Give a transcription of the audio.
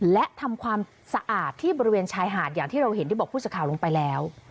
และทำความสะอาดที่บริเวณชายหาดอย่างที่เราเห็นที่บอกผู้สื่อข่าวลงไปแล้ว